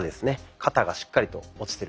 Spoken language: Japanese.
肩がしっかりと落ちてる状態。